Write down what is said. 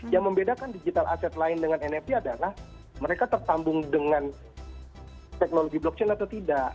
yang membedakan digital asset lain dengan nft adalah mereka tertambung dengan teknologi blockchain atau tidak